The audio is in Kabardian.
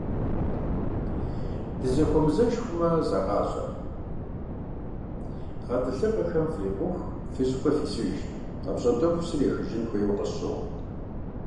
Дызэхуэмызэж хъумэ, зэгъащӀэ: гъэтӀылъыгъэхэм фрикъуху фи щӏыпӏэ фисыж, апщӀондэху псыр ехыжын хуейуэ къысщохъу.